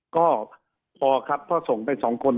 ก็พอครับเพราะส่งไป๒คน